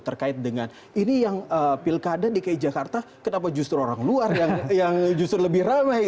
terkait dengan ini yang pilkada dki jakarta kenapa justru orang luar yang justru lebih ramai